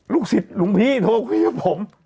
ลูกศิษย์หลุงพี่โทรคุยกับผม